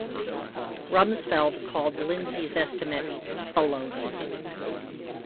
Rumsfeld called Lindsey's estimate "baloney".